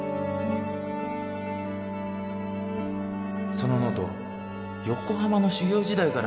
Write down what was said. ・そのノート横浜の修業時代から